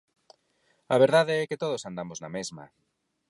A verdade é que todos andamos na mesma.